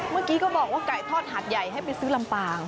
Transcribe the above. เมื่อกี้ก็บอกว่าไก่ทอดหาดใหญ่ให้ไปซื้อลำปาง